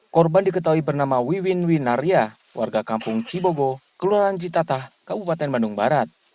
korban diketahui bernama wiwinwi narya warga kampung cibogo keluargan citatah kabupaten bandung barat